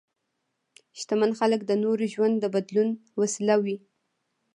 شتمن خلک د نورو ژوند د بدلون وسیله وي.